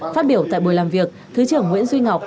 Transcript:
phát biểu tại buổi làm việc thứ trưởng nguyễn duy ngọc